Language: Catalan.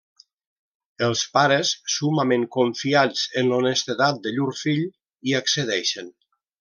Els pares, summament confiats en l'honestedat de llur fill, hi accedeixen.